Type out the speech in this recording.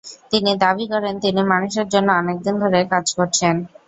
তিনি দাবি করেন, তিনি মানুষের জন্য অনেক দিন ধরে কাজ করছেন।